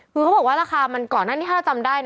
คือเขาบอกว่าราคามันก่อนหน้านี้ถ้าเราจำได้นะ